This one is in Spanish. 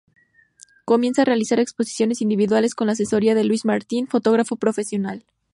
Comienza a realizar exposiciones individuales con la asesoría de Luis Martin, fotógrafo profesional.